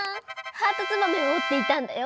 ハートツバメをおっていたんだよ。